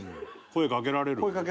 声かけられる？